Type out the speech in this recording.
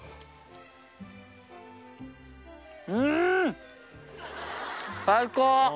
うん！最高！